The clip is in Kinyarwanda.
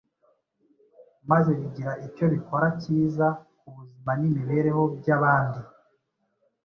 maze bigira icyo bikora cyiza ku buzima n’imibereho by’abandi,